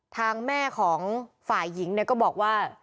ทางแม่ของฝ่ายหญิงก็บอกว่า